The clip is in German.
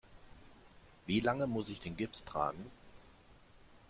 Wie lange muss ich den Gips tragen?